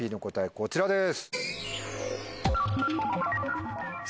こちらです！